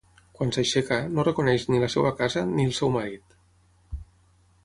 Quan s'aixeca, no reconeix ni la seva casa ni el seu marit.